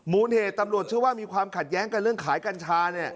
เหตุตำรวจเชื่อว่ามีความขัดแย้งกันเรื่องขายกัญชาเนี่ย